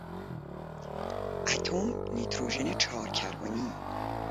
اتم نیتروژن چهار کربنی